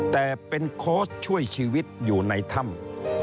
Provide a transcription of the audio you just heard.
แต่เป็นโค้ชช่วยชีวิตอยู่ในถ้ำ